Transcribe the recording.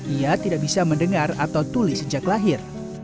ia tidak bisa mendengar atau tulis sejak lahir